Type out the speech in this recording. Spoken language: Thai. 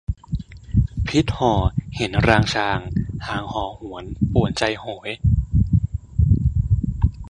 พิศห่อเห็นรางชาง ห่างห่อหวนป่วนใจโหย